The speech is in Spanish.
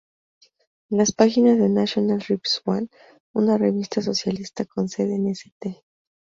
En las páginas de National Rip-Saw, una revista socialista con sede en St.